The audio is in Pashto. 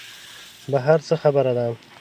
بهر څه خبره ده.